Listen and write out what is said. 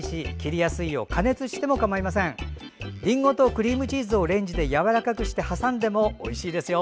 りんごとクリームチーズをレンジでやわらかくして挟んでもおいしいですよ。